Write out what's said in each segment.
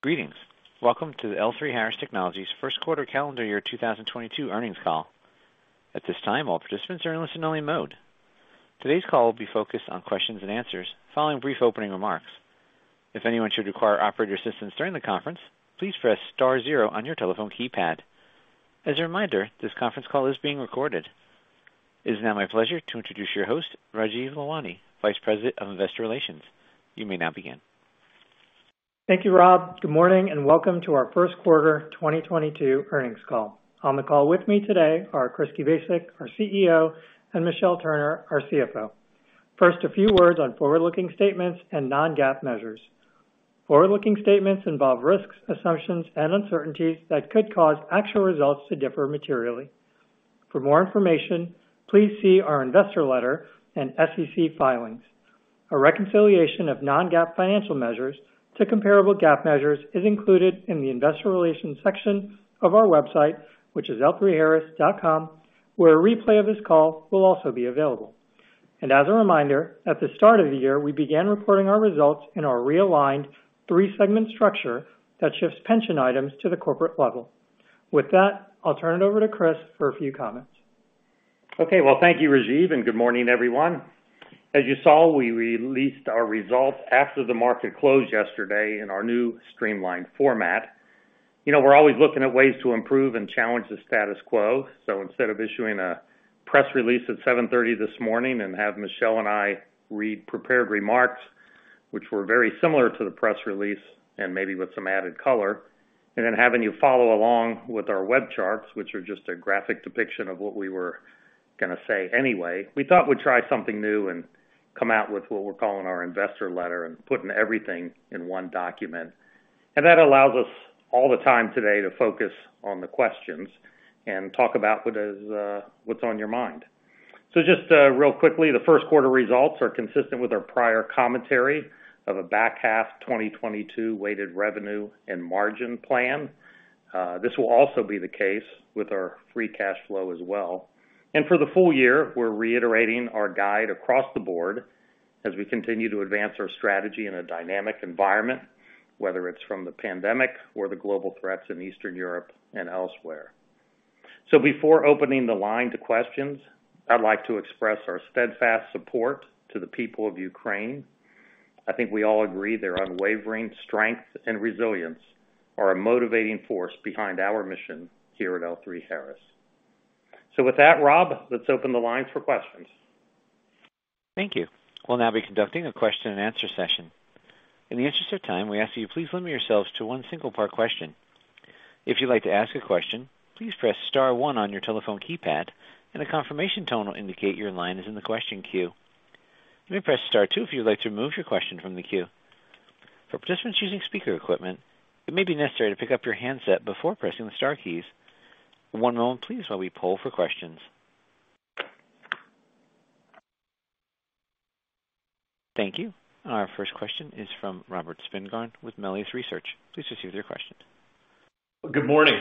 Greetings. Welcome to the L3Harris Technologies first quarter calendar year 2022 earnings call. At this time, all participants are in listen-only mode. Today's call will be focused on questions and answers following brief opening remarks. If anyone should require operator assistance during the conference, please press star zero on your telephone keypad. As a reminder, this conference call is being recorded. It is now my pleasure to introduce your host, Rajeev Lalwani, Vice President of Investor Relations. You may now begin. Thank you, Rob. Good morning, and welcome to our first quarter 2022 earnings call. On the call with me today are Chris Kubasik, our CEO, and Michelle Turner, our CFO. First, a few words on forward-looking statements and non-GAAP measures. Forward-looking statements involve risks, assumptions, and uncertainties that could cause actual results to differ materially. For more information, please see our investor letter and SEC filings. A reconciliation of non-GAAP financial measures to comparable GAAP measures is included in the investor relations section of our website, which is l3harris.com, where a replay of this call will also be available. As a reminder, at the start of the year, we began reporting our results in our realigned three-segment structure that shifts pension items to the corporate level. With that, I'll turn it over to Chris for a few comments. Okay. Well, thank you, Rajiv, and good morning, everyone. As you saw, we released our results after the market closed yesterday in our new streamlined format. You know, we're always looking at ways to improve and challenge the status quo. Instead of issuing a press release at 7:30 A.M. this morning and have Michelle and I read prepared remarks, which were very similar to the press release and maybe with some added color, and then having you follow along with our web charts, which are just a graphic depiction of what we were gonna say anyway, we thought we'd try something new and come out with what we're calling our investor letter and putting everything in one document. That allows us all the time today to focus on the questions and talk about what is, what's on your mind. Just real quickly, the first quarter results are consistent with our prior commentary of a back half 2022 weighted revenue and margin plan. This will also be the case with our free cash flow as well. For the full year, we're reiterating our guide across the board as we continue to advance our strategy in a dynamic environment, whether it's from the pandemic or the global threats in Eastern Europe and elsewhere. Before opening the line to questions, I'd like to express our steadfast support to the people of Ukraine. I think we all agree, their unwavering strength and resilience are a motivating force behind our mission here at L3Harris. With that, Rob, let's open the lines for questions. Thank you. We'll now be conducting a question and answer session. In the interest of time, we ask that you please limit yourselves to one single part question. If you'd like to ask a question, please press star one on your telephone keypad, and a confirmation tone will indicate your line is in the question queue. You may press star two if you'd like to remove your question from the queue. For participants using speaker equipment, it may be necessary to pick up your handset before pressing the star keys. One moment, please, while we poll for questions. Thank you. Our first question is from Robert Spingarn with Melius Research. Please proceed with your question. Good morning.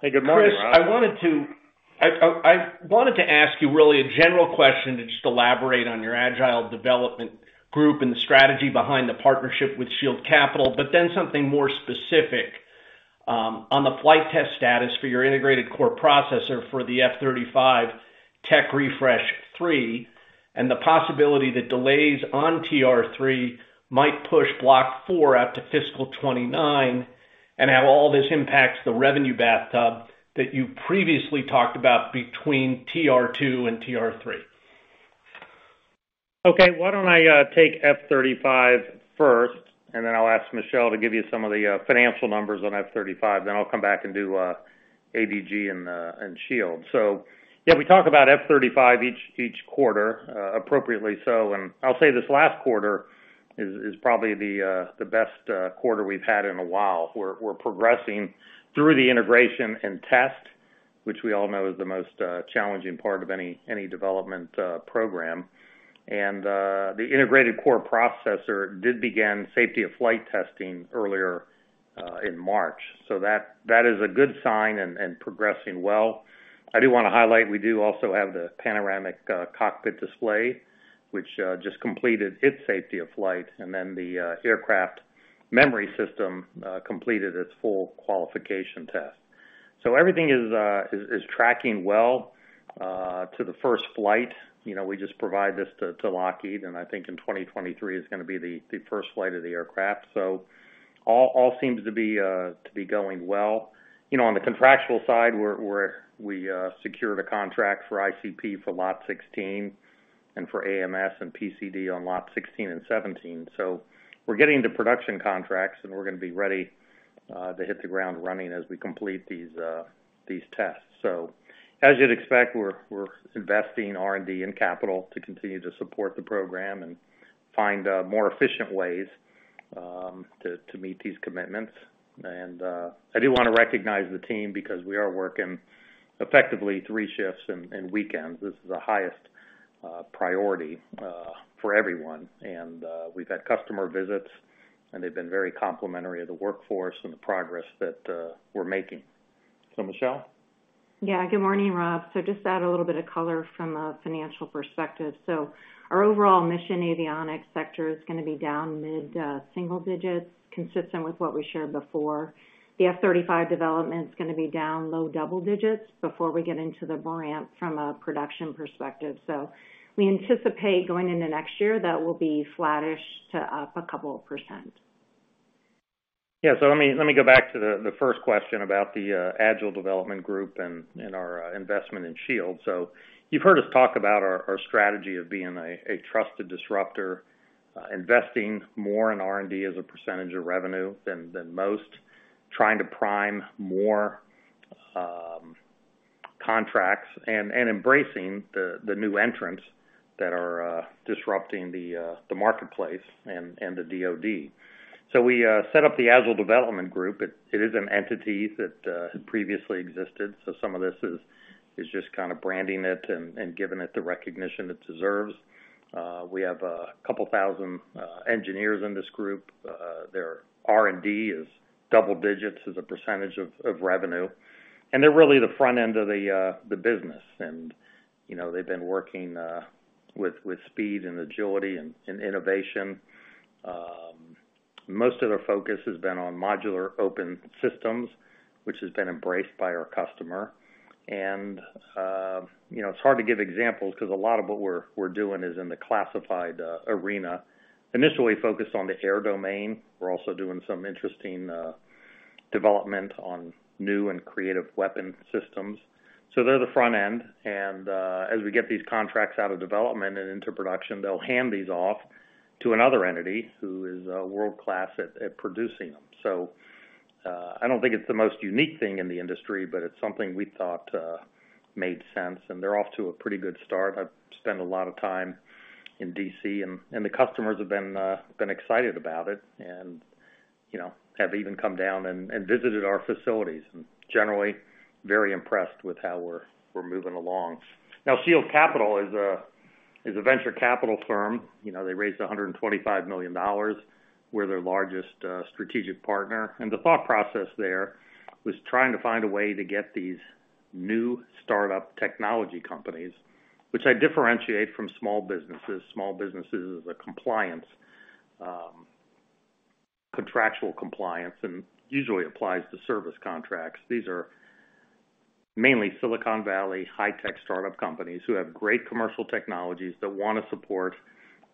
Hey, good morning, Rob. Chris, I wanted to ask you really a general question to just elaborate on your Agile Development Group and the strategy behind the partnership with Shield Capital, but then something more specific, on the flight test status for your Integrated Core Processor for the F-35 Tech Refresh 3, and the possibility that delays on TR3 might push Block 4 out to fiscal 2029, and how all this impacts the revenue bathtub that you previously talked about between TR2 and TR3. Okay. Why don't I take F-35 first, and then I'll ask Michelle to give you some of the financial numbers on F-35. I'll come back and do ADG and Shield. Yeah, we talk about F-35 each quarter appropriately so. I'll say this last quarter is probably the best quarter we've had in a while. We're progressing through the integration and test, which we all know is the most challenging part of any development program. The Integrated Core Processor did begin safety of flight testing earlier in March. That is a good sign and progressing well. I do wanna highlight, we do also have the Panoramic Cockpit Display, which just completed its safety of flight. The Aircraft Memory System completed its full qualification test. Everything is tracking well to the first flight. You know, we just provide this to Lockheed, and I think in 2023 is gonna be the first flight of the aircraft. All seems to be going well. You know, on the contractual side, we secured a contract for ICP for Lot 16 and for AMS and PCD on Lot 16 and 17. We're getting to production contracts, and we're gonna be ready to hit the ground running as we complete these tests. As you'd expect, we're investing R&D and capital to continue to support the program and find more efficient ways to meet these commitments. I do wanna recognize the team because we are working effectively three shifts and weekends. This is the highest priority for everyone. We've had customer visits, and they've been very complimentary of the workforce and the progress that we're making. Michelle? Yeah. Good morning, Rob. Just to add a little bit of color from a financial perspective. Our overall mission avionics sector is gonna be down mid-single digits, consistent with what we shared before. The F-35 development's gonna be down low double digits before we get into the ramp from a production perspective. We anticipate going into next year, that will be flattish to up a couple of %. Yeah. Let me go back to the first question about the Agile Development Group and our investment in Shield. You've heard us talk about our strategy of being a trusted disruptor, investing more in R&D as a percentage of revenue than most, trying to prime more contracts, and embracing the new entrants that are disrupting the marketplace and the DoD. We set up the Agile Development Group. It is an entity that previously existed, so some of this is just kind of branding it and giving it the recognition it deserves. We have a couple thousand engineers in this group. Their R&D is double digits as a percentage of revenue. They're really the front end of the business. You know, they've been working with speed and agility and innovation. Most of their focus has been on modular open systems, which has been embraced by our customer. You know, it's hard to give examples 'cause a lot of what we're doing is in the classified arena. Initially focused on the air domain. We're also doing some interesting development on new and creative weapon systems. They're the front end. As we get these contracts out of development and into production, they'll hand these off to another entity who is world-class at producing them. I don't think it's the most unique thing in the industry, but it's something we thought made sense, and they're off to a pretty good start. I've spent a lot of time in D.C. and the customers have been excited about it and, you know, have even come down and visited our facilities and generally very impressed with how we're moving along. Now, Shield Capital is a venture capital firm. You know, they raised $125 million. We're their largest strategic partner. The thought process there was trying to find a way to get these new startup technology companies, which I differentiate from small businesses. Small businesses is a compliance, contractual compliance and usually applies to service contracts. These are mainly Silicon Valley high tech startup companies who have great commercial technologies that wanna support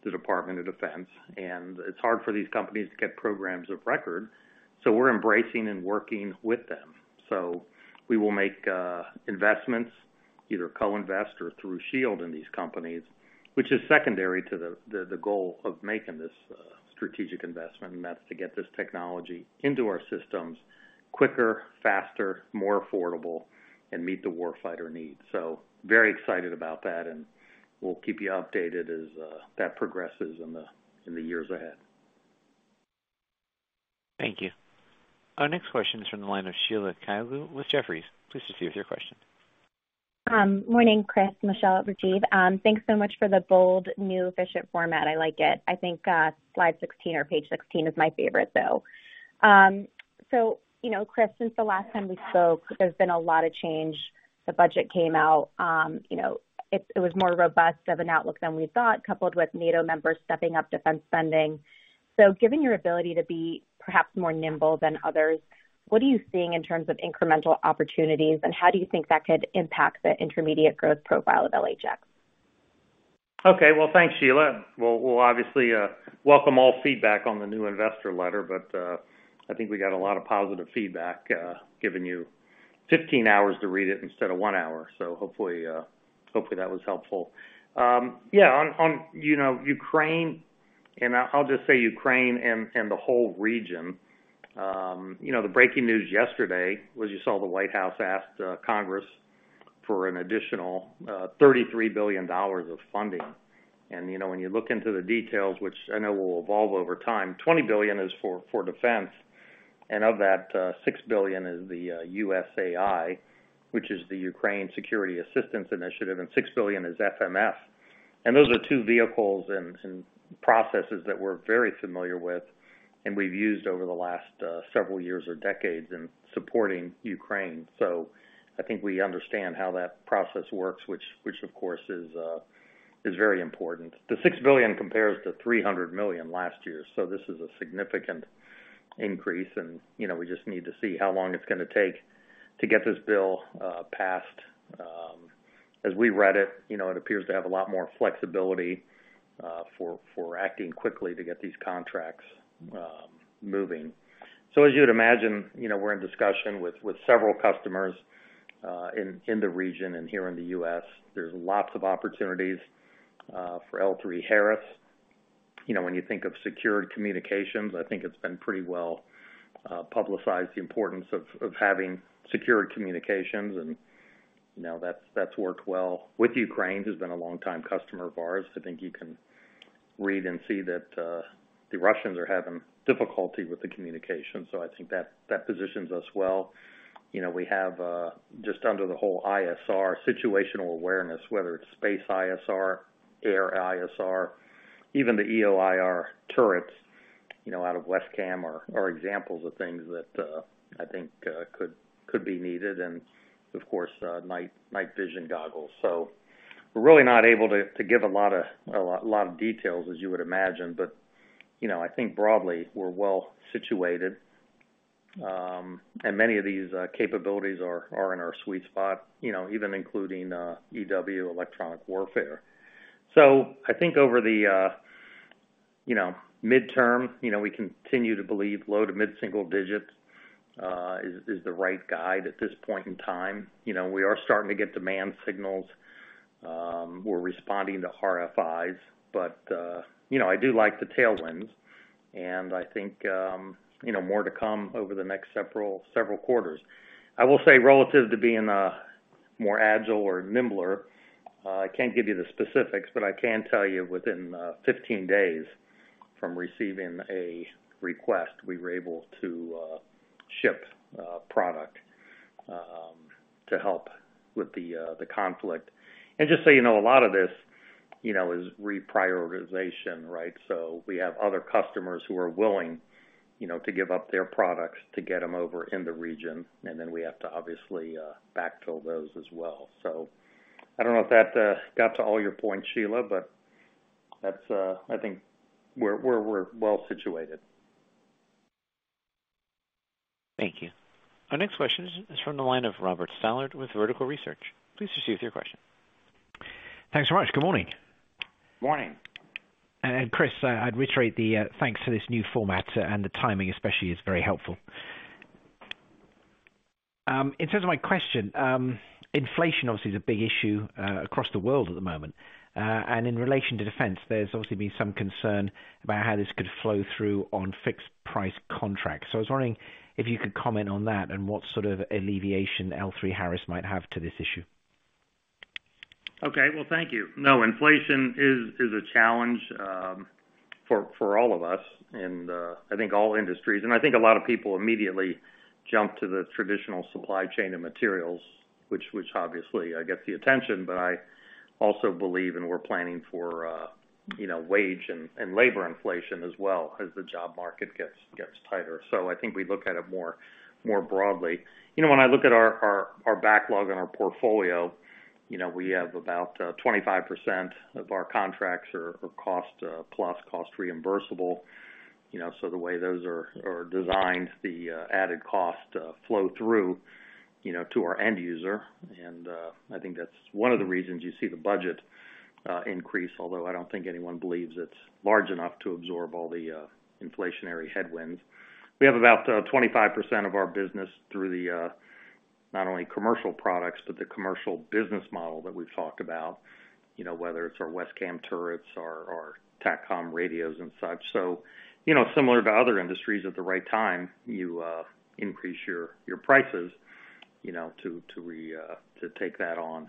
the Department of Defense, and it's hard for these companies to get programs of record, so we're embracing and working with them. We will make investments, either co-invest or through Shield in these companies, which is secondary to the goal of making this strategic investment, and that's to get this technology into our systems quicker, faster, more affordable, and meet the war fighter needs. Very excited about that, and we'll keep you updated as that progresses in the years ahead. Thank you. Our next question is from the line of Sheila Kahyaoglu with Jefferies. Please proceed with your question. Morning, Chris, Michelle, and Rajeev. Thanks so much for the bold new efficient format. I like it. I think, slide 16 or page 16 is my favorite, though. You know, Chris, since the last time we spoke, there's been a lot of change. The budget came out, you know, it was more robust of an outlook than we thought, coupled with NATO members stepping up defense spending. Given your ability to be perhaps more nimble than others, what are you seeing in terms of incremental opportunities, and how do you think that could impact the intermediate growth profile of LHX? Okay. Well, thanks, Sheila. We'll obviously welcome all feedback on the new investor letter, but I think we got a lot of positive feedback, giving you 15 hours to read it instead of one hour, so hopefully that was helpful. Yeah, on you know, Ukraine, and I'll just say Ukraine and the whole region, you know, the breaking news yesterday was you saw the White House ask Congress for an additional $33 billion of funding. You know, when you look into the details, which I know will evolve over time, $20 billion is for defense. Of that, $6 billion is the USAI, which is the Ukraine Security Assistance Initiative, and $6 billion is FMF. Those are two vehicles and processes that we're very familiar with and we've used over the last several years or decades in supporting Ukraine. I think we understand how that process works, which of course is very important. The $6 billion compares to $300 million last year, so this is a significant increase. You know, we just need to see how long it's gonna take to get this bill passed. As we read it, you know, it appears to have a lot more flexibility for acting quickly to get these contracts moving. As you would imagine, you know, we're in discussion with several customers in the region and here in the U.S.. There's lots of opportunities for L3Harris. You know, when you think of secure communications, I think it's been pretty well publicized the importance of having secure communications and, you know, that's worked well with Ukraine, who's been a longtime customer of ours. I think you can read and see that the Russians are having difficulty with the communication. That positions us well. You know, we have just under the whole ISR situational awareness, whether it's space ISR, air ISR, even the EOIR turrets. You know, out of WESCAM are examples of things that I think could be needed. Of course, night vision goggles. We're really not able to give a lot of details as you would imagine. You know, I think broadly we're well situated. Many of these capabilities are in our sweet spot, you know, even including EW electronic warfare. I think over the midterm, you know, we continue to believe low- to mid-single digits% is the right guide at this point in time. You know, we are starting to get demand signals. We're responding to RFIs, but you know, I do like the tailwinds, and I think you know, more to come over the next several quarters. I will say relative to being more agile or nimbler, I can't give you the specifics, but I can tell you within 15 days from receiving a request, we were able to ship product to help with the conflict. Just so you know, a lot of this, you know, is reprioritization, right? We have other customers who are willing, you know, to give up their products to get them over in the region. Then we have to obviously backfill those as well. I don't know if that got to all your points, Sheila, but that's, I think we're well situated. Thank you. Our next question is from the line of Robert Stallard with Vertical Research. Please proceed with your question. Thanks so much. Good morning. Morning. Chris, I'd reiterate the thanks for this new format, and the timing especially is very helpful. In terms of my question, inflation obviously is a big issue across the world at the moment. In relation to defense, there's obviously been some concern about how this could flow through on fixed price contracts. I was wondering if you could comment on that and what sort of alleviation L3Harris might have to this issue. Okay. Well, thank you. No, inflation is a challenge for all of us and I think all industries, and I think a lot of people immediately jump to the traditional supply chain and materials, which obviously gets the attention. But I also believe and we're planning for you know, wage and labor inflation as well as the job market gets tighter. So I think we look at it more broadly. You know, when I look at our backlog and our portfolio, you know, we have about 25% of our contracts are cost plus cost reimbursable. You know, so the way those are designed, the added cost flow through you know, to our end user. I think that's one of the reasons you see the budget increase, although I don't think anyone believes it's large enough to absorb all the inflationary headwinds. We have about 25% of our business through the not only commercial products, but the commercial business model that we've talked about. You know, whether it's our WESCAM turrets or our TACCOM radios and such. You know, similar to other industries at the right time, you increase your prices, you know, to take that on.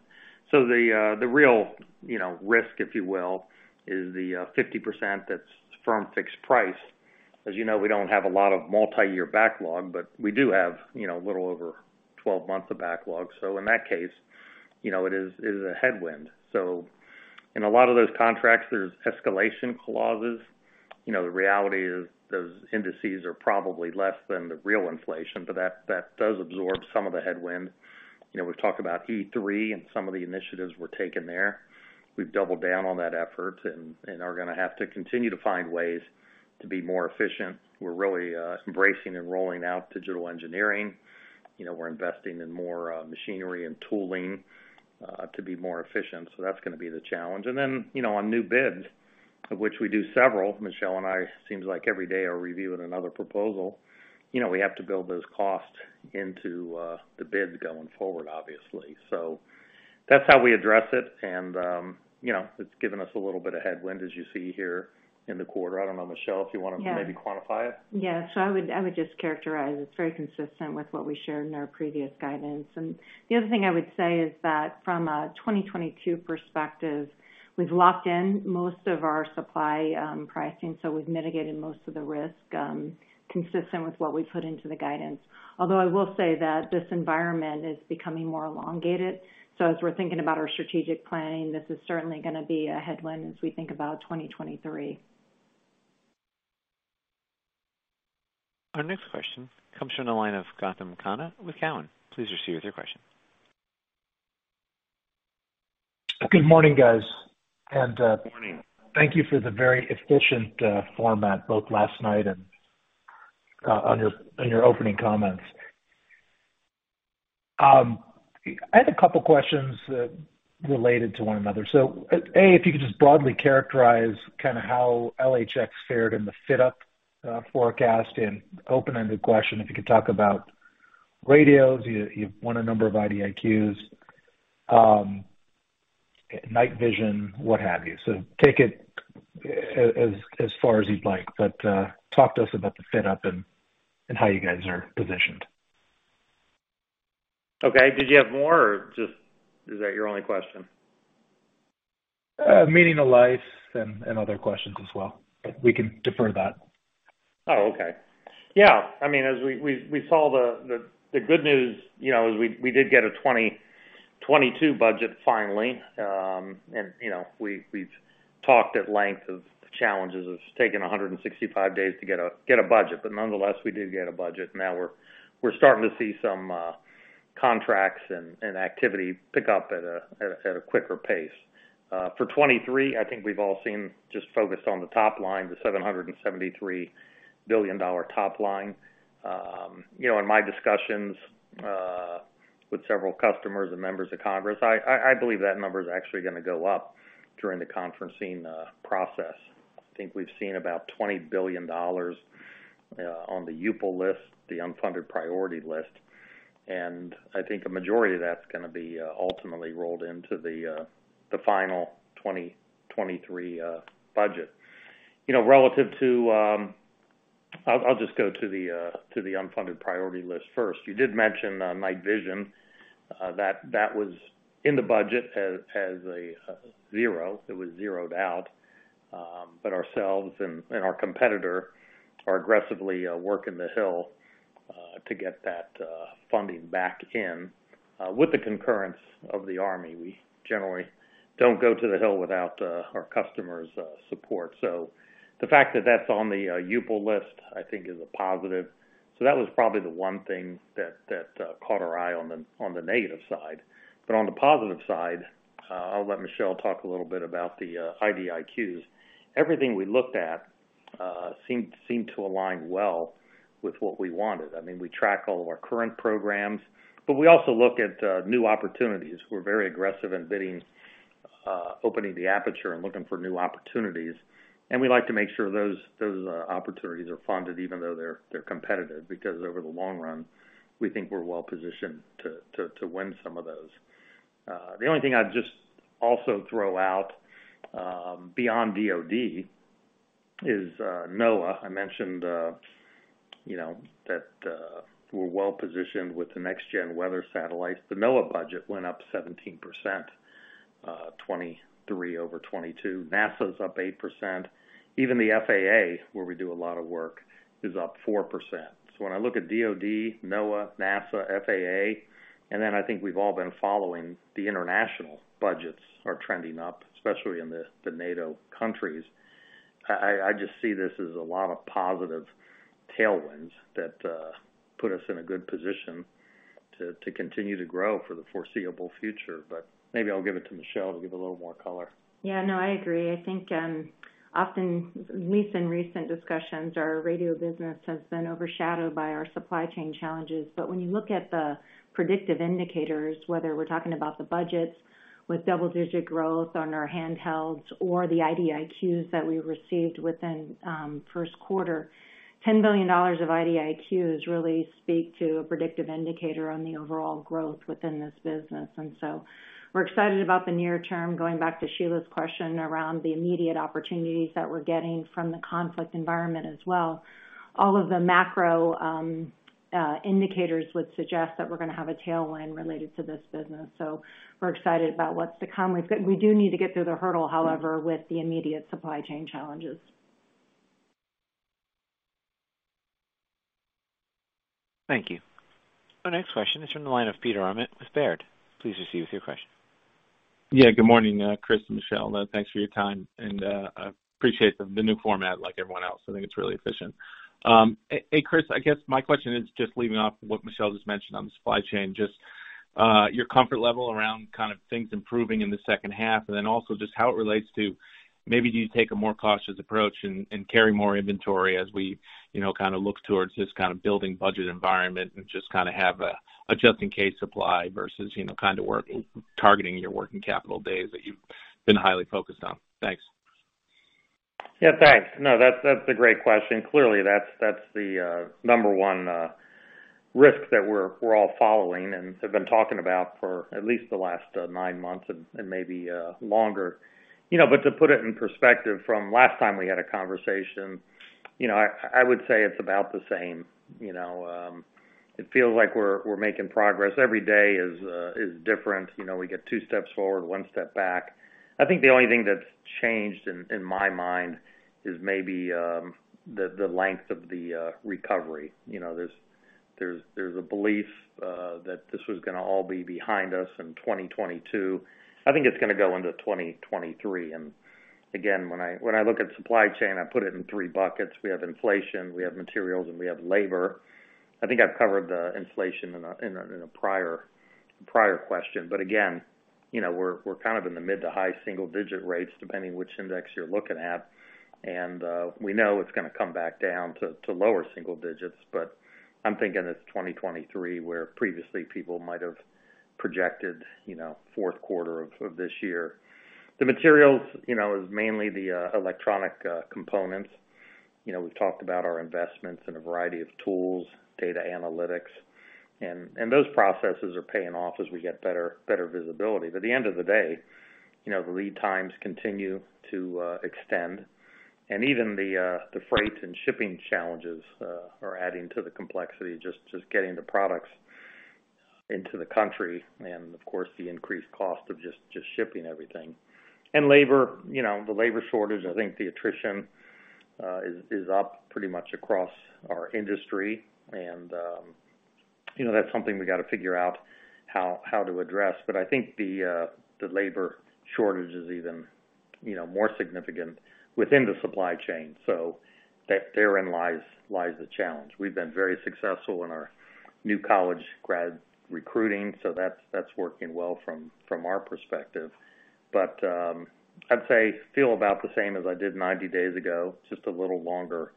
The real, you know, risk, if you will, is the 50% that's firm fixed price. As you know, we don't have a lot of multi-year backlog, but we do have, you know, a little over 12 months of backlog. In that case, you know, it is a headwind. In a lot of those contracts, there's escalation clauses. You know, the reality is those indices are probably less than the real inflation, but that does absorb some of the headwind. You know, we've talked about E3 and some of the initiatives we're taking there. We've doubled down on that effort and are gonna have to continue to find ways to be more efficient. We're really embracing and rolling out digital engineering. You know, we're investing in more machinery and tooling to be more efficient. That's gonna be the challenge. Then, you know, on new bids, of which we do several. Michelle and I seems like every day are reviewing another proposal. You know, we have to build those costs into the bids going forward, obviously. That's how we address it. You know, it's given us a little bit of headwind as you see here in the quarter. I don't know, Michelle, if you want to maybe quantify it. Yeah. I would just characterize it's very consistent with what we shared in our previous guidance. The other thing I would say is that from a 2022 perspective, we've locked in most of our supply, pricing, so we've mitigated most of the risk, consistent with what we put into the guidance. Although I will say that this environment is becoming more elongated. As we're thinking about our strategic planning, this is certainly gonna be a headwind as we think about 2023. Our next question comes from the line of Gautam Khanna with Cowen. Please proceed with your question. Good morning, guys. Good morning. Thank you for the very efficient format, both last night and on your opening comments. I had a couple questions related to one another. A, if you could just broadly characterize kind of how LHX fared in the FYDP forecast. Open-ended question, if you could talk about radios, you've won a number of IDIQs, night vision, what have you. Take it as far as you'd like, but talk to us about the FYDP and how you guys are positioned. Okay. Did you have more, or is that just your only question? Meaning of life and other questions as well. We can defer that. Oh, okay. Yeah. I mean, as we saw the good news, you know, is we did get a 2022 budget finally. You know, we've talked at length of the challenges. It's taken 165 days to get a budget. Nonetheless, we did get a budget, and now we're starting to see some contracts and activity pick up at a quicker pace. For 2023, I think we've all seen just focused on the top line, the $773 billion top line. You know, in my discussions with several customers and members of Congress, I believe that number is actually gonna go up during the conferencing process. I think we've seen about $20 billion on the UPL list, the unfunded priority list, and I think a majority of that's gonna be ultimately rolled into the final 2023 budget. You know, relative to. I'll just go to the unfunded priority list first. You did mention night vision that was in the budget as a zero. It was zeroed out. Ourselves and our competitor are aggressively working The Hill to get that funding back in with the concurrence of the Army. We generally don't go to The Hill without our customer's support. The fact that that's on the UPL list, I think is a positive. That was probably the one thing that caught our eye on the negative side. On the positive side, I'll let Michelle talk a little bit about the IDIQs. Everything we looked at seemed to align well with what we wanted. I mean, we track all of our current programs, but we also look at new opportunities. We're very aggressive in bidding, opening the aperture and looking for new opportunities. We like to make sure those opportunities are funded even though they're competitive, because over the long run, we think we're well positioned to win some of those. The only thing I'd just also throw out beyond DoD is NOAA. I mentioned, you know, that we're well positioned with the next gen weather satellites. The NOAA budget went up 17%, 2023 over 2022. NASA's up 8%. Even the FAA, where we do a lot of work, is up 4%. When I look at DoD, NOAA, NASA, FAA, and then I think we've all been following the international budgets are trending up, especially in the NATO countries. I just see this as a lot of positive tailwinds that put us in a good position to continue to grow for the foreseeable future. Maybe I'll give it to Michelle to give a little more color. Yeah, no, I agree. I think often, at least in recent discussions, our radio business has been overshadowed by our supply chain challenges. When you look at the predictive indicators, whether we're talking about the budgets with double-digit growth on our handhelds or the IDIQs that we received within first quarter, $10 billion of IDIQs really speak to a predictive indicator on the overall growth within this business. We're excited about the near-term, going back to Sheila's question around the immediate opportunities that we're getting from the conflict environment as well. All of the macro indicators would suggest that we're gonna have a tailwind related to this business. We're excited about what's to come. We do need to get through the hurdle, however, with the immediate supply chain challenges. Thank you. Our next question is from the line of Peter Arment with Baird. Please proceed with your question. Yeah, good morning, Chris and Michelle. Thanks for your time, and I appreciate the new format like everyone else. I think it's really efficient. Hey Chris, I guess my question is just leading off what Michelle just mentioned on the supply chain, your comfort level around kind of things improving in the second half, and then also just how it relates to maybe do you take a more cautious approach and carry more inventory as we, you know, kind of look towards this kind of building budget environment and just kind of have a just in case supply versus, you know, kind of targeting your working capital days that you've been highly focused on. Thanks. Yeah, thanks. No, that's a great question. Clearly, that's the number one risk that we're all following and have been talking about for at least the last nine months and maybe longer. You know, but to put it in perspective from last time we had a conversation, you know, I would say it's about the same, you know. It feels like we're making progress. Every day is different. You know, we get two steps forward, one step back. I think the only thing that's changed in my mind is maybe the length of the recovery. You know, there's a belief that this was gonna all be behind us in 2022. I think it's gonna go into 2023. Again, when I look at supply chain, I put it in three buckets. We have inflation, we have materials, and we have labor. I think I've covered the inflation in a prior question. Again, you know, we're kind of in the mid- to high single-digit % rates, depending which index you're looking at. We know it's gonna come back down to lower single digits, but I'm thinking it's 2023, where previously people might have projected, you know, fourth quarter of this year. The materials, you know, is mainly the electronic components. You know, we've talked about our investments in a variety of tools, data analytics, and those processes are paying off as we get better visibility. At the end of the day, you know, the lead times continue to extend, and even the freight and shipping challenges are adding to the complexity, just getting the products into the country, and of course, the increased cost of just shipping everything. Labor, you know, the labor shortage, I think the attrition is up pretty much across our industry. You know, that's something we gotta figure out how to address. I think the labor shortage is even, you know, more significant within the supply chain. Therein lies the challenge. We've been very successful in our new college grad recruiting, so that's working well from our perspective. I'd say I feel about the same as I did 90 days ago, just a little longer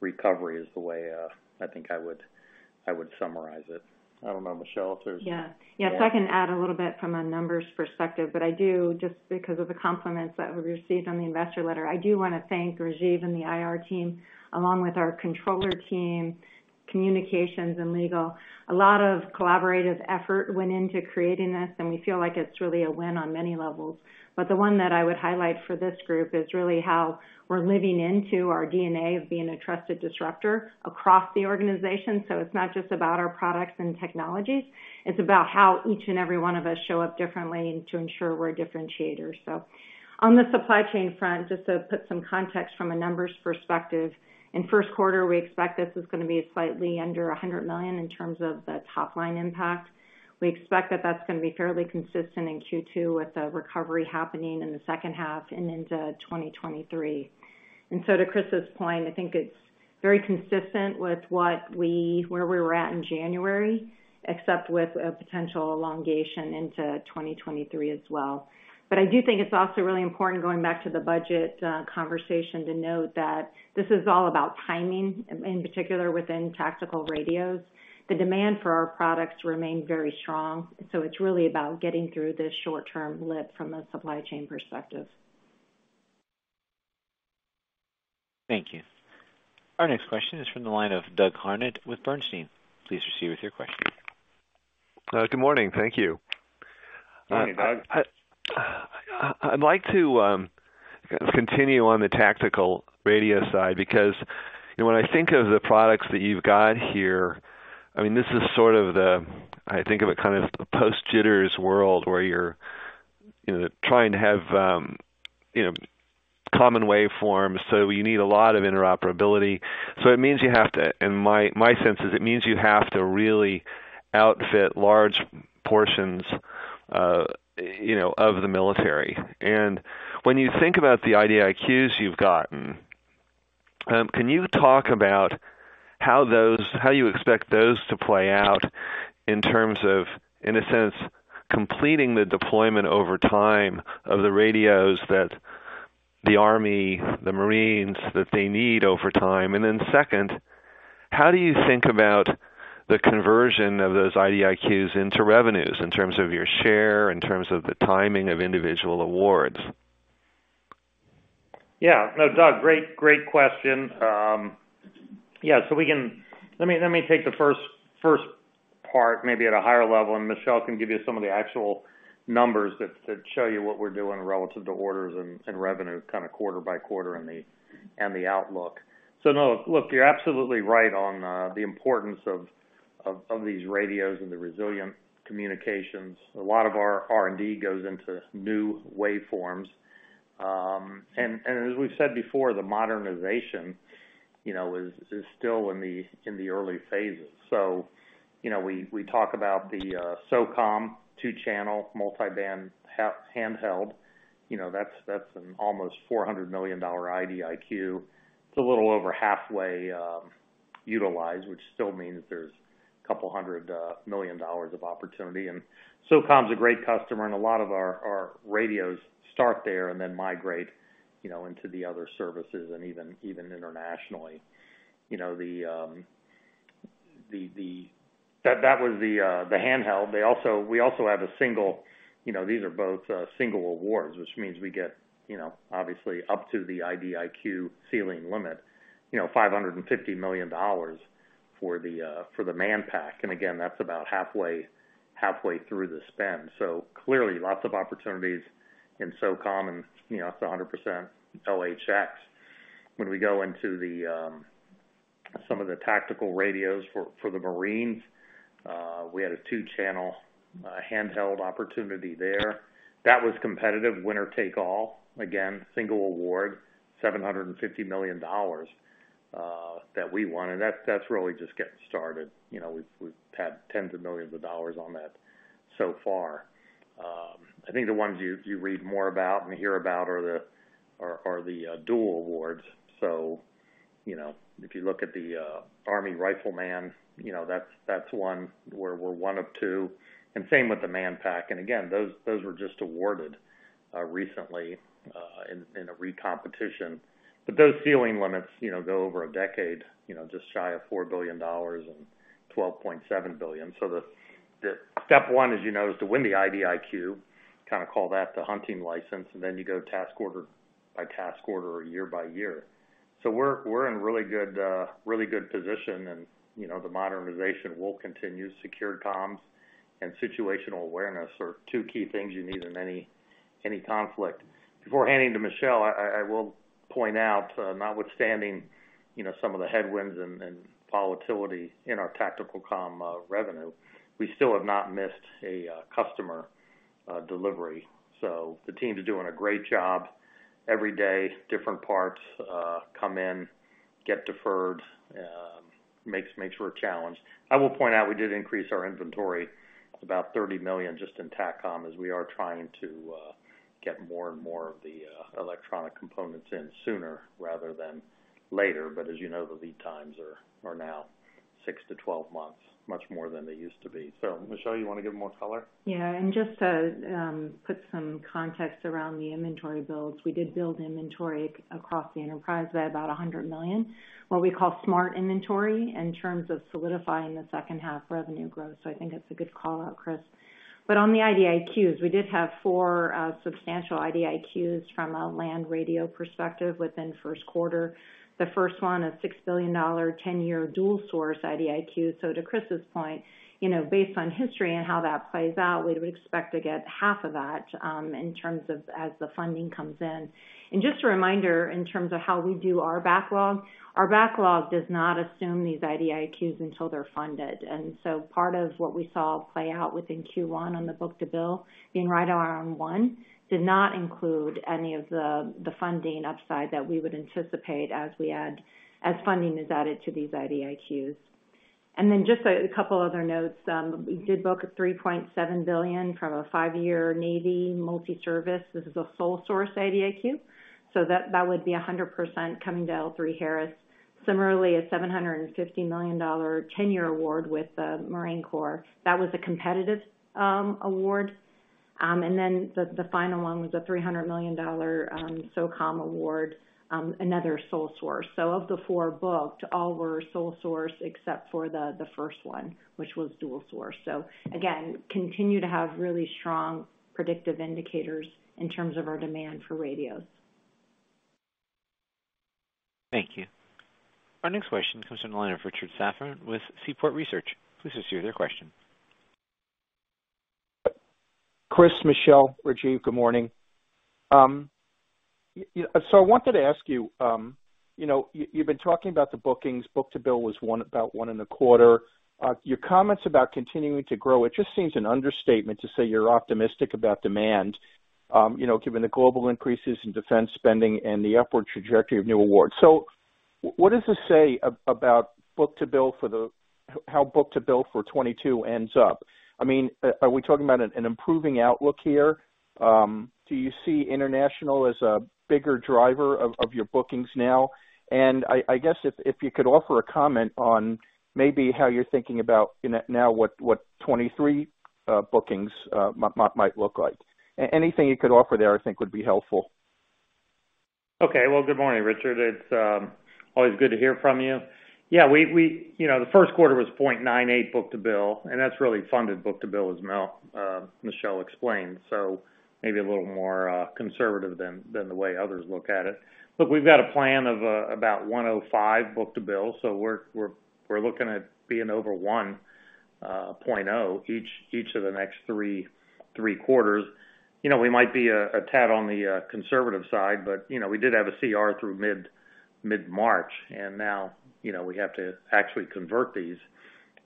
recovery is the way I think I would summarize it. I don't know, Michelle, if there's- Yeah. Yes, I can add a little bit from a numbers perspective, but I do just because of the compliments that we received on the investor letter. I do wanna thank Rajiv and the IR team, along with our controller team, communications, and legal. A lot of collaborative effort went into creating this, and we feel like it's really a win on many levels. The one that I would highlight for this group is really how we're living into our DNA of being a trusted disruptor across the organization. It's not just about our products and technologies, it's about how each and every one of us show up differently to ensure we're differentiators. On the supply chain front, just to put some context from a numbers perspective, in first quarter, we expect this is gonna be slightly under $100 million in terms of the top line impact. We expect that that's gonna be fairly consistent in Q2 with the recovery happening in the second half and into 2023. To Chris's point, I think it's very consistent with what we were at in January, except with a potential elongation into 2023 as well. I do think it's also really important, going back to the budget conversation, to note that this is all about timing, in particular, within tactical radios. The demand for our products remain very strong, so it's really about getting through this short-term lift from a supply chain perspective. Thank you. Our next question is from the line of Doug Harned with Bernstein. Please proceed with your question. Good morning. Thank you. Good morning, Doug. I'd like to continue on the tactical radio side because, you know, when I think of the products that you've got here, I mean, this is sort of the, I think of a kind of post JTRS world where you're, you know, trying to have, you know, common waveforms. So you need a lot of interoperability. So it means you have to, in my sense, really outfit large portions, you know, of the military. When you think about the IDIQs you've gotten, can you talk about how you expect those to play out in terms of, in a sense, completing the deployment over time of the radios that the Army, the Marines, that they need over time? Second, how do you think about the conversion of those IDIQs into revenues in terms of your share, in terms of the timing of individual awards? Yeah. No, Doug, great question. Let me take the first part maybe at a higher level, and Michelle can give you some of the actual numbers that show you what we're doing relative to orders and revenue kind of quarter by quarter and the outlook. Look, you're absolutely right on the importance of these radios and the resilient communications. A lot of our R&D goes into new waveforms. As we've said before, the modernization you know is still in the early phases. You know, we talk about the SOCOM two-channel multiband handheld. That's an almost $400 million IDIQ. It's a little over halfway utilized, which still means there's a couple $100 million of opportunity. SOCOM's a great customer, and a lot of our radios start there and then migrate, you know, into the other services and even internationally. That was the handheld. We also have a single, you know, these are both single awards, which means we get, you know, obviously up to the IDIQ ceiling limit, you know, $550 million for the Manpack. That's about halfway through the spend. Clearly lots of opportunities in SOCOM, and, you know, it's 100% LHX. When we go into some of the tactical radios for the Marines, we had a two-channel handheld opportunity there. That was competitive, winner take all. Again, single award, $750 million that we won. That's really just getting started. We've had tens of millions of dollars on that so far. I think the ones you read more about and hear about are the dual awards. If you look at the Rifleman Radio, that's one where we're one of two, and same with the Manpack. Again, those were just awarded recently in a recompetition. Those ceiling limits go over a decade, just shy of $4 billion and $12.7 billion. The step one, as you know, is to win the IDIQ, kinda call that the hunting license, and then you go task order by task order or year by year. We're in really good position and, you know, the modernization will continue. Secure comms and situational awareness are two key things you need in any conflict. Before handing to Michelle, I will point out, notwithstanding, you know, some of the headwinds and volatility in our tactical comm revenue, we still have not missed a customer delivery. The team's doing a great job. Every day, different parts come in, get deferred, makes for a challenge. I will point out we did increase our inventory about $30 million just in TACCOM as we are trying to get more and more of the electronic components in sooner rather than later. As you know, the lead times are now 6-12 months, much more than they used to be. Michelle, you wanna give more color? Yeah. Just to put some context around the inventory builds, we did build inventory across the enterprise by about $100 million, what we call smart inventory, in terms of solidifying the second half revenue growth. I think it's a good call-out, Chris. On the IDIQs, we did have four substantial IDIQs from a land radio perspective within first quarter. The first one, a $6 billion 10-year dual source IDIQ. To Chris's point, you know, based on history and how that plays out, we would expect to get half of that in terms of as the funding comes in. Just a reminder, in terms of how we do our backlog, our backlog does not assume these IDIQs until they're funded. Part of what we saw play out within Q1 on the book-to-bill being right around one did not include any of the funding upside that we would anticipate as funding is added to these IDIQs. Just a couple other notes. We did book $3.7 billion from a five-year Navy multi-service. This is a sole source IDIQ, so that would be 100% coming to L3Harris. Similarly, a $750 million ten-year award with the Marine Corps. That was a competitive award. The final one was a $300 million SOCOM award, another sole source. Of the four booked, all were sole source except for the first one, which was dual source. Again, continue to have really strong predictive indicators in terms of our demand for radios. Thank you. Our next question comes from the line of Richard Safran with Seaport Research. Please issue your question. Chris, Michelle, Rajeev, good morning. I wanted to ask you know, you've been talking about the bookings. Book-to-bill was about 1.25. Your comments about continuing to grow. It just seems an understatement to say you're optimistic about demand, you know, given the global increases in defense spending and the upward trajectory of new awards. What does this say about book-to-bill, how book-to-bill for 2022 ends up? I mean, are we talking about an improving outlook here? Do you see international as a bigger driver of your bookings now? I guess if you could offer a comment on maybe how you're thinking about, you know, now what 2023 bookings might look like. Anything you could offer there I think would be helpful. Okay. Well, good morning, Richard. It's always good to hear from you. Yeah, we, you know, the first quarter was 0.98 book-to-bill, and that's really funded book-to-bill, as Michelle explained, so maybe a little more conservative than the way others look at it. Look, we've got a plan of about 1.05 book-to-bill, so we're looking at being over 1.0 each of the next three quarters. You know, we might be a tad on the conservative side, but, you know, we did have a CR through mid-March, and now, you know, we have to actually convert these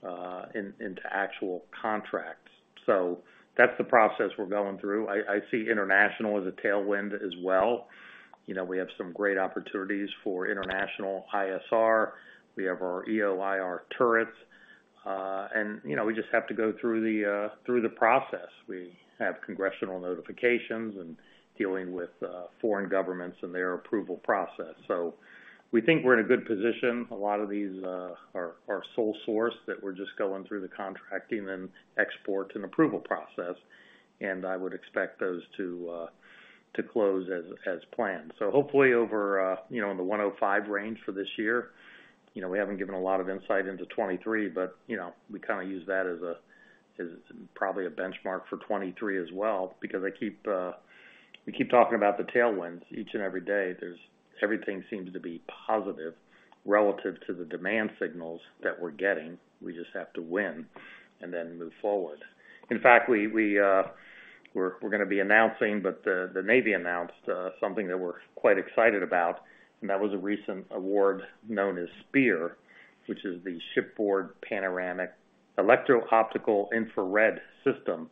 into actual contracts. So that's the process we're going through. I see international as a tailwind as well. You know, we have some great opportunities for international ISR. We have our EOIR turrets. We just have to go through the process. We have congressional notifications and dealing with foreign governments and their approval process. We think we're in a good position. A lot of these are sole source that we're just going through the contracting and export and approval process, and I would expect those to close as planned. Hopefully over in the 105 range for this year. We haven't given a lot of insight into 2023, but we kinda use that as probably a benchmark for 2023 as well, because we keep talking about the tailwinds. Each and every day, everything seems to be positive relative to the demand signals that we're getting. We just have to win and then move forward. In fact, we're gonna be announcing, but the Navy announced something that we're quite excited about, and that was a recent award known as SPEIR, which is the Shipboard Panoramic Electro-Optical Infrared System.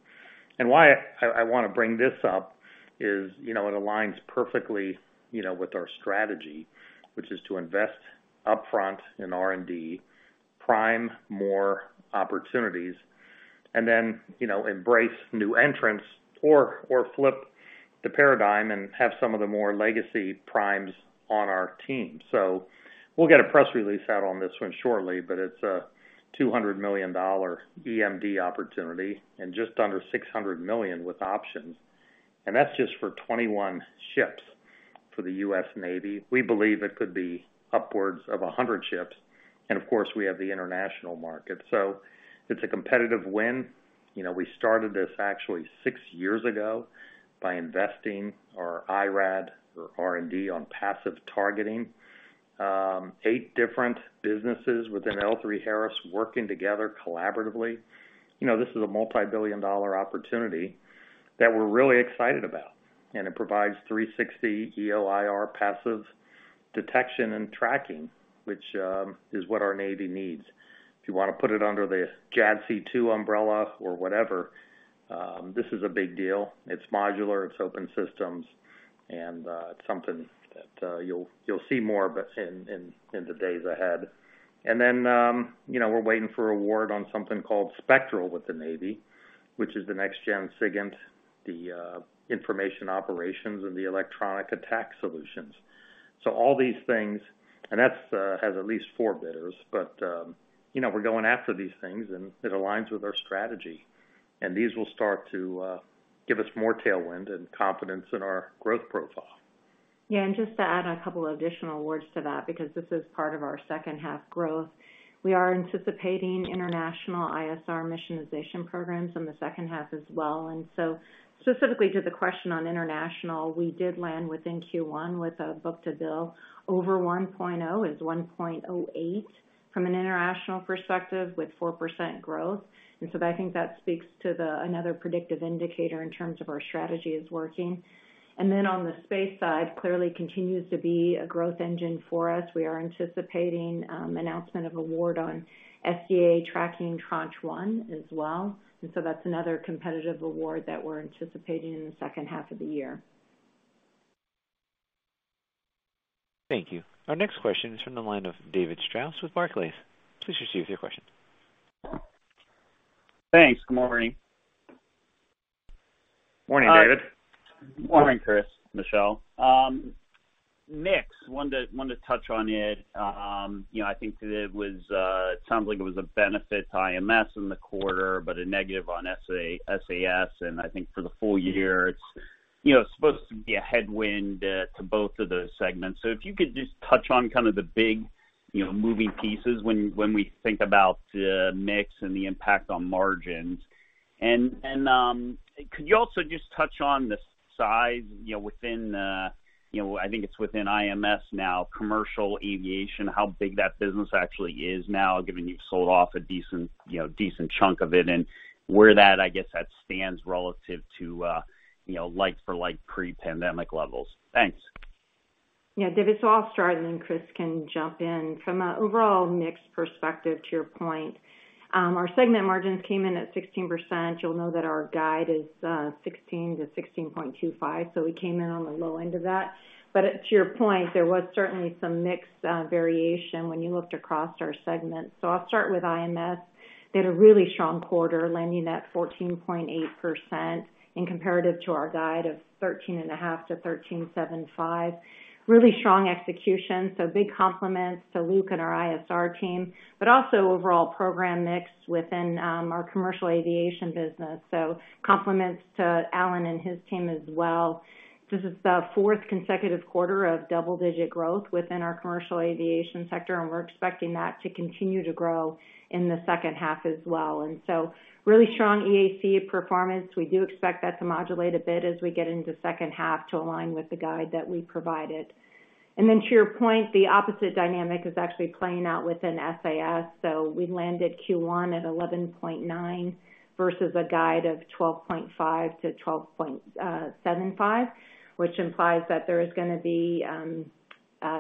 Why I wanna bring this up is, you know, it aligns perfectly, you know, with our strategy, which is to invest upfront in R&D, prime more opportunities, and then, you know, embrace new entrants or flip the paradigm and have some of the more legacy primes on our team. We'll get a press release out on this one shortly, but it's a $200 million EMD opportunity and just under $600 million with options. That's just for 21 ships for the US Navy. We believe it could be upwards of 100 ships. Of course, we have the international market. It's a competitive win. You know, we started this actually six years ago by investing our IRAD or R&D on passive targeting. Eight different businesses within L3Harris working together collaboratively. You know, this is a multi-billion dollar opportunity that we're really excited about, and it provides 360 EOIR passive detection and tracking, which is what our Navy needs. If you wanna put it under the JADC2 umbrella or whatever, this is a big deal. It's modular, it's open systems, and it's something that you'll see more of it in the days ahead. You know, we're waiting for award on something called Spectral with the Navy, which is the next gen SIGINT, the information operations and the electronic attack solutions. All these things. That has at least four bidders. You know, we're going after these things and it aligns with our strategy. These will start to give us more tailwind and confidence in our growth profile. Yeah. Just to add a couple additional words to that, because this is part of our second half growth. We are anticipating international ISR missionization programs in the second half as well. Specifically to the question on international, we did land within Q1 with a book-to-bill over 1.0, is 1.08 from an international perspective with 4% growth. I think that speaks to another predictive indicator in terms of our strategy is working. Then on the space side, clearly continues to be a growth engine for us. We are anticipating announcement of award on SDA Tracking Tranche 1 as well. That's another competitive award that we're anticipating in the second half of the year. Thank you. Our next question is from the line of David Strauss with Barclays. Please proceed with your question. Thanks. Good morning. Morning, David. Morning, Chris, Michelle. Wanted to touch on mix. You know, I think sounds like it was a benefit to IMS in the quarter, but a negative on SAS. I think for the full year, it's you know supposed to be a headwind to both of the segments. If you could just touch on kind of the big you know moving pieces when we think about mix and the impact on margins. Could you also just touch on the size you know within you know I think it's within IMS now, commercial aviation, how big that business actually is now, given you've sold off a decent you know chunk of it, and where that I guess that stands relative to you know like for like pre-pandemic levels? Thanks. Yeah. David, I'll start, and then Chris can jump in. From an overall mix perspective, to your point, our segment margins came in at 16%. You'll know that our guide is 16%-16.25%. We came in on the low end of that. But to your point, there was certainly some mix variation when you looked across our segments. I'll start with IMS. They had a really strong quarter, landing at 14.8% in comparison to our guide of 13.5%-13.75%. Really strong execution. Big compliments to Luke and our ISR team, but also overall program mix within our commercial aviation business. Compliments to Alan and his team as well. This is the fourth consecutive quarter of double-digit growth within our commercial aviation sector, and we're expecting that to continue to grow in the second half as well. Really strong EAC performance. We do expect that to modulate a bit as we get into second half to align with the guide that we provided. To your point, the opposite dynamic is actually playing out within SAS. We landed Q1 at 11.9% versus a guide of 12.5%-12.75%, which implies that there is gonna be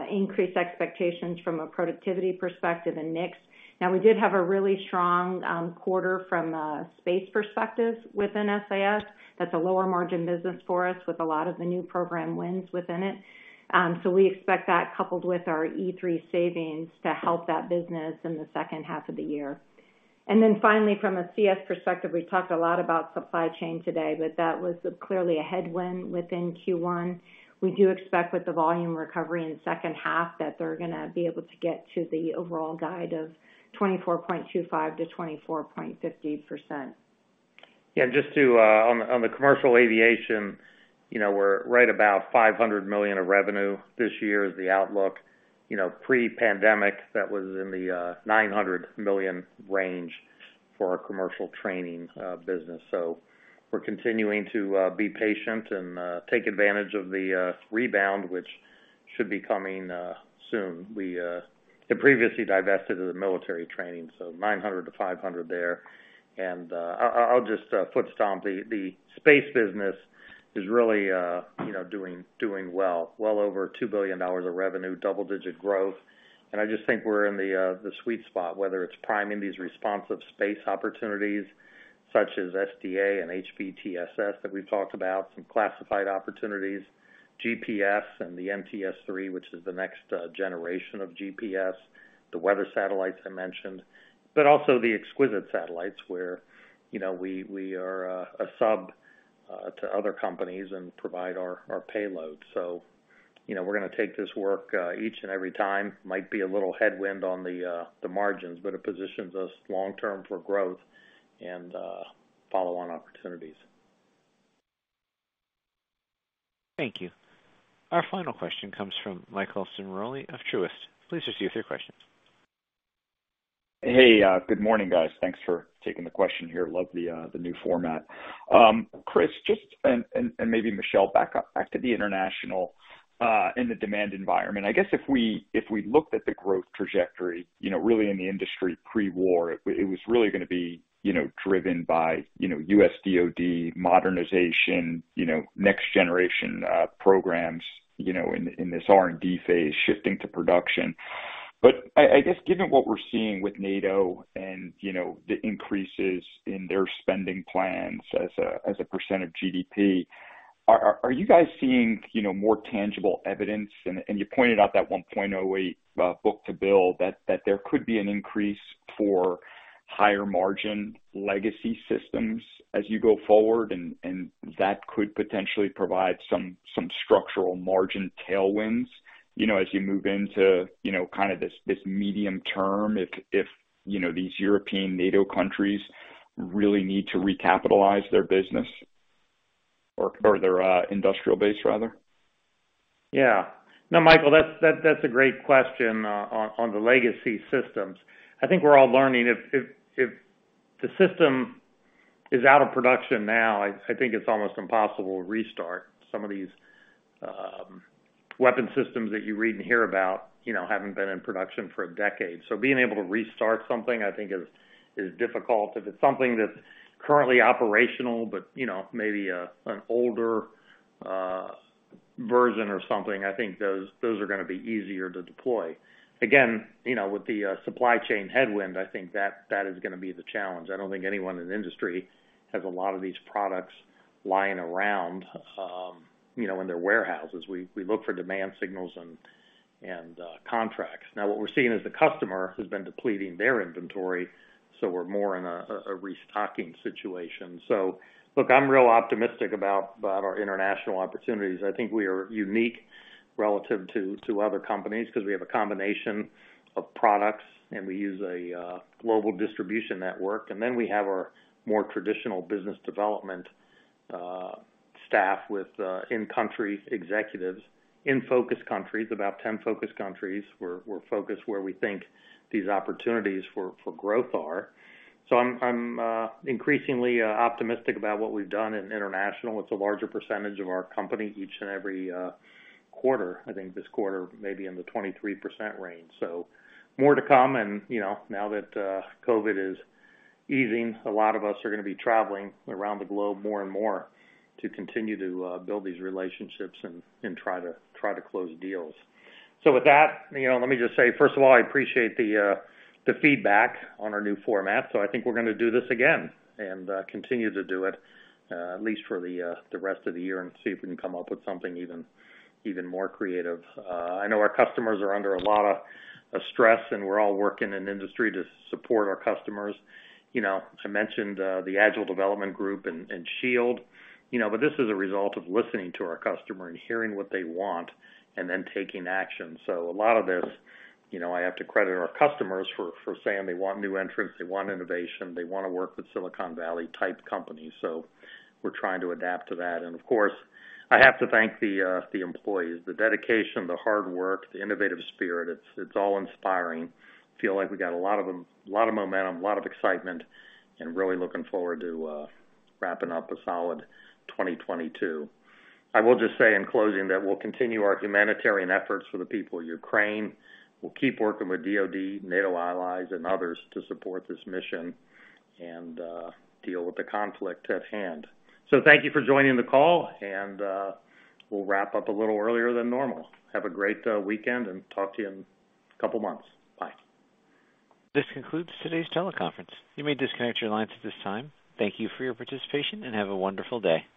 increased expectations from a productivity perspective and mix. Now, we did have a really strong quarter from a space perspective within SAS. That's a lower margin business for us with a lot of the new program wins within it. We expect that coupled with our E3 savings to help that business in the second half of the year. Finally, from a CS perspective, we talked a lot about supply chain today, but that was clearly a headwind within Q1. We do expect with the volume recovery in second half that they're gonna be able to get to the overall guide of 24.25%-24.50%. Yeah. Just to on the commercial aviation, you know, we're right about $500 million of revenue this year is the outlook. You know, pre-pandemic, that was in the $900 million range for our commercial training business. We're continuing to be patient and take advantage of the rebound, which should be coming soon. We had previously divested the military training, so $900 million to $500 million there. I'll just foot stomp. The space business is really, you know, doing well. Well over $2 billion of revenue, double-digit growth. I just think we're in the sweet spot, whether it's priming these responsive space opportunities such as SDA and HBTSS that we've talked about, some classified opportunities, GPS and the NTS-3, which is the next generation of GPS, the weather satellites I mentioned, but also the exquisite satellites where, you know, we are a sub to other companies and provide our payload. You know, we're gonna take this work each and every time. Might be a little headwind on the margins, but it positions us long-term for growth and follow-on opportunities. Thank you. Our final question comes from Michael Ciarmoli of Truist. Please receive your question. Hey, good morning, guys. Thanks for taking the question here. Love the new format. Chris, just and maybe Michelle, back to the international and the demand environment. I guess if we looked at the growth trajectory, you know, really in the industry pre-war, it was really gonna be, you know, driven by, you know, U.S. DoD modernization, you know, next generation programs, you know, in this R&D phase shifting to production. But I guess given what we're seeing with NATO and, you know, the increases in their spending plans as a % of GDP, are you guys seeing, you know, more tangible evidence? You pointed out that 1.08 book-to-bill that there could be an increase for higher margin legacy systems as you go forward and that could potentially provide some structural margin tailwinds, you know, as you move into, you know, kinda this medium term if, you know, these European NATO countries really need to recapitalize their business or their industrial base rather. Yeah. No, Michael, that's a great question on the legacy systems. I think we're all learning if the system is out of production now, I think it's almost impossible to restart some of these weapon systems that you read and hear about, you know, haven't been in production for a decade. Being able to restart something, I think is difficult. If it's something that's currently operational but, you know, maybe an older version or something, I think those are gonna be easier to deploy. Again, you know, with the supply chain headwind, I think that is gonna be the challenge. I don't think anyone in the industry has a lot of these products lying around, you know, in their warehouses. We look for demand signals and contracts. What we're seeing is the customer has been depleting their inventory, so we're more in a restocking situation. Look, I'm real optimistic about our international opportunities. I think we are unique relative to other companies 'cause we have a combination of products, and we use a global distribution network. Then we have our more traditional business development staff with in-country executives in focus countries. About 10 focus countries. We're focused where we think these opportunities for growth are. I'm increasingly optimistic about what we've done in international. It's a larger percentage of our company each and every quarter. I think this quarter may be in the 23% range, so more to come. You know, now that COVID is easing, a lot of us are gonna be traveling around the globe more and more to continue to build these relationships and try to close deals. With that, you know, let me just say, first of all, I appreciate the feedback on our new format, so I think we're gonna do this again and continue to do it at least for the rest of the year and see if we can come up with something even more creative. I know our customers are under a lot of stress, and we're all working in industry to support our customers. You know, I mentioned the Agile Development Group and Shield Capital, you know, but this is a result of listening to our customer and hearing what they want and then taking action. A lot of this, you know, I have to credit our customers for saying they want new entrants, they want innovation, they wanna work with Silicon Valley type companies, so we're trying to adapt to that. Of course, I have to thank the employees. The dedication, the hard work, the innovative spirit, it's all inspiring. Feel like we got a lot of momentum, a lot of excitement, and really looking forward to wrapping up a solid 2022. I will just say in closing that we'll continue our humanitarian efforts for the people of Ukraine. We'll keep working with DoD, NATO allies, and others to support this mission and deal with the conflict at hand. Thank you for joining the call, and we'll wrap up a little earlier than normal. Have a great weekend, and talk to you in a couple months. Bye. This concludes today's teleconference. You may disconnect your lines at this time. Thank you for your participation, and have a wonderful day.